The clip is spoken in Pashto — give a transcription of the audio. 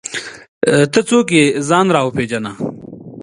ته څوک یې ځان راوپېژنه!